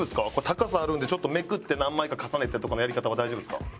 高さあるんでちょっとめくって何枚か重ねてとかのやり方は大丈夫ですか？